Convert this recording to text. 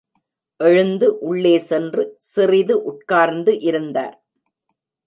எழுந்து உள்ளே சென்று சிறிது உட்கார்ந்து இருந்தார்.